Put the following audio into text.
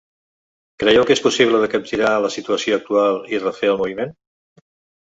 Creieu que és possible de capgirar la situació actual i refer el moviment?